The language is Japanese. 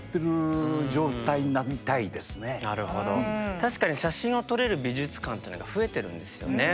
確かに写真を撮れる美術館っていうのが増えてるんですよね。